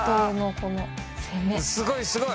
すごいすごい！